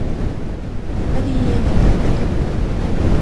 Ad iyi-yanef ad ɛeddiɣ.